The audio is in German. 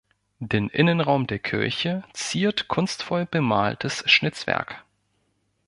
Den Innenraum der Kirche ziert kunstvoll bemaltes Schnitzwerk.